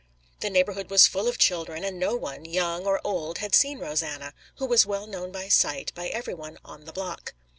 The neighborhood was full of children, and no one, young or old, had seen Rosanna, who was well known by sight by everyone on the block.